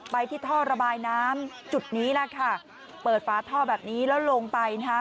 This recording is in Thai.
ไปที่ท่อระบายน้ำจุดนี้แหละค่ะเปิดฝาท่อแบบนี้แล้วลงไปนะคะ